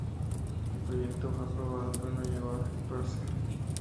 El proyecto fue aprobado, pero no llegó a ejecutarse.